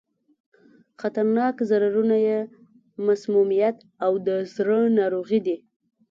خطرناک ضررونه یې مسمومیت او د زړه ناروغي دي.